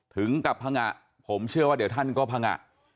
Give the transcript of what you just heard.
ถึงกับพังงะผมเชื่อว่าเดี๋ยวท่านก็พังงะ